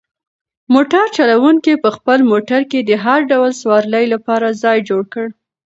موټر چلونکي په خپل موټر کې د هر ډول سوارلۍ لپاره ځای جوړ کړ.